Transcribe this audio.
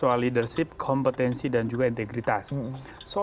soal leadership kompetensi dan juga integritas